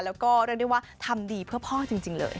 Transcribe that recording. แล้วก็เรียกได้ว่าทำดีเพื่อพ่อจริงเลย